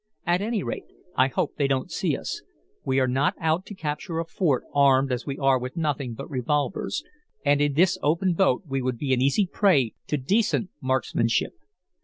At any rate, I hope they don't see us. We are not out to capture a fort armed as we are with nothing but revolvers, and in this open boat we would be an easy prey to decent marksmanship."